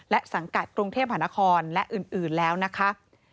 และสังกัดกรุงเทพหานครและอื่นแล้วนะคะ